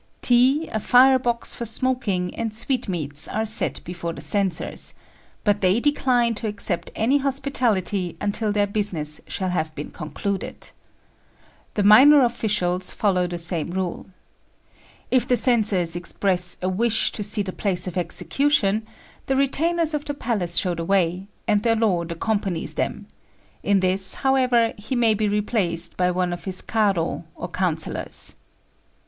Tea, a fire box for smoking, and sweetmeats are set before the censors; but they decline to accept any hospitality until their business shall have been concluded. The minor officials follow the same rule. If the censors express a wish to see the place of execution, the retainers of the palace show the way, and their lord accompanies them; in this, however, he may be replaced by one of his karô or councillors.